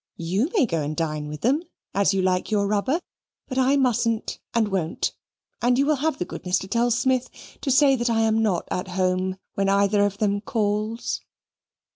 YOU may go and dine with them, as you like your rubber. But I mustn't, and won't; and you will have the goodness to tell Smith to say I am not at home when either of them calls."